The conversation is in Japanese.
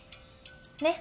ねっ。